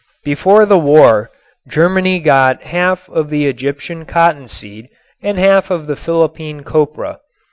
Before the war Germany got half of the Egyptian cottonseed and half of the Philippine copra.